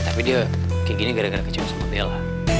tapi dia kayak gini gara gara kecewa sama bella